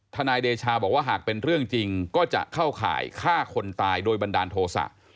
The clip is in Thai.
นายเดชาบอกว่าหากเป็นเรื่องจริงก็จะเข้าข่ายฆ่าคนตายโดยบันดาลโทษะ